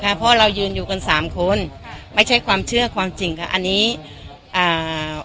เพราะเรายืนอยู่กันสามคนไม่ใช่ความเชื่อความจริงค่ะอันนี้อ่า